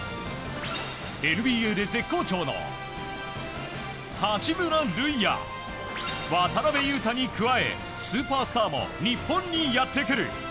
ＮＢＡで絶好調の八村塁や渡邊雄太に加えスーパースターも日本にやってくる。